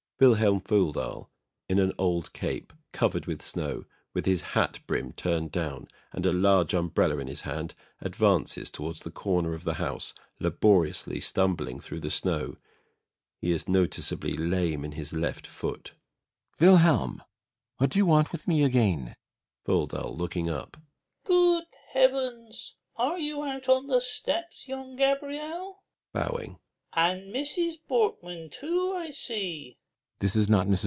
[VILHELM FOLDAL, in an old cape, covered with snow, with his hat brim turned down, and a large umbrella in his hand, advances towards the corner of the house, laboriously stumbling through the snow. He is noticeably lame in his left foot. BORKMAN. Vilhelm! What do you want with me again? FOLDAL. [Looking up.] Good heavens, are you out on the steps, John Gabriel? [Bowing.] And Mrs. Borkman, too, I see.